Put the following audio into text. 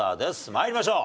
参りましょう。